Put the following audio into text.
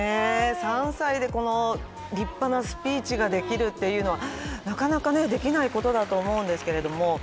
３歳でこの立派なスピーチができるというのはなかなかできないことだと思うんですけど。